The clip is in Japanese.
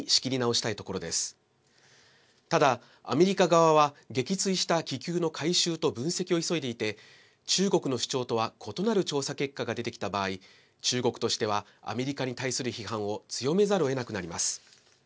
ただ、アメリカ側は撃墜した気球の回収と分析を急いでいて中国の主張とは異なる調査結果が出てきた場合中国としてはアメリカに対する批判を強めざるをえなくなります。